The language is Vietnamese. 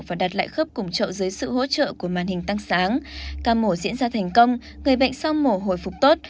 và đặt lại khớp cùng chợ dưới sự hỗ trợ của màn hình tăng sáng ca mổ diễn ra thành công người bệnh sau mổ hồi phục tốt